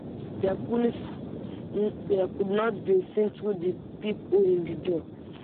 They could not be seen through the peephole in the door.